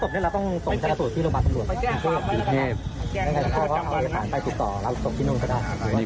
ถ้าไม่ได้ศพก็เอาอีกฐานไปตรุกต่อแล้วศพที่นุ่งก็ได้